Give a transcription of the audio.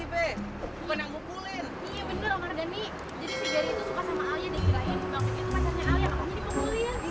maksudnya itu pacarnya alia yang maksudnya dikukulin